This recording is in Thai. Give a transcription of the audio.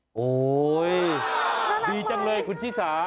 โอ้โหดีจังเลยคุณชิสา